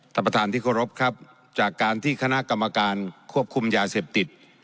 ท่านประธานที่เคารพครับจากการที่คณะกรรมการควบคุมยาเสพติด